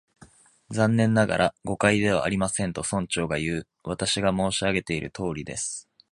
「残念ながら、誤解ではありません」と、村長がいう。「私が申し上げているとおりです」